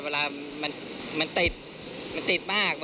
เวลามันติดมันติดมาก